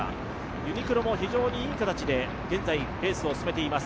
ユニクロも非常にいい形で、現在レースを進めています。